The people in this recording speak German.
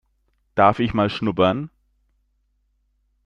Darf ich mal schnuppern?